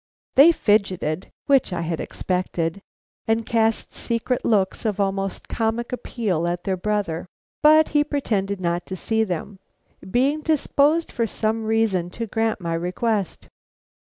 They fidgeted (which I had expected), and cast secret looks of almost comic appeal at their brother, but he pretended not to see them, being disposed for some reason to grant my request.